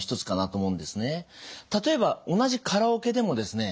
例えば同じカラオケでもですね